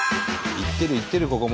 行ってる行ってるここも。